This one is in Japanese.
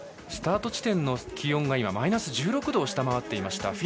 スタート地点の気温がマイナス１６度を下回っていました。